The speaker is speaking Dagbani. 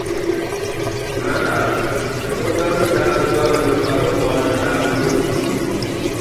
Maa sokam daa zɔrimi kpari kom maa polo.